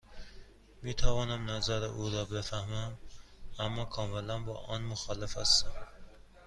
می توانم نظر او را بفهمم، اما کاملا با آن مخالف هستم.